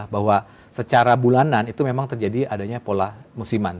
bahwa secara bulanan itu memang terjadi adanya pola musiman